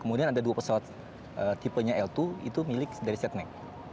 kemudian ada dua pesawat tipenya l dua itu milik dari setnek